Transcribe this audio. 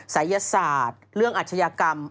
ศัยศาสตร์เรื่องอาชญากรรม